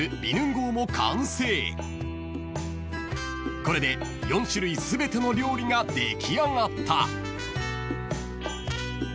［これで４種類全ての料理が出来上がった］